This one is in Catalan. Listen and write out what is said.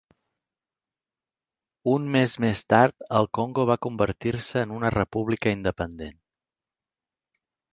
Un mes més tard, el Congo va convertir-se en una república independent.